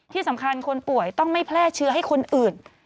ที่สำคัญคนป่วยต้องไม่แพร่เชื้อให้คนอื่น